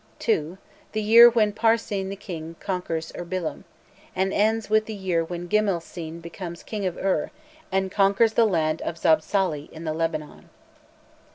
(2) The year when Pur Sin the king conquers Urbillum," and ends with "the year when Gimil Sin becomes King of Ur, and conquers the land of Zabsali" in the Lebanon.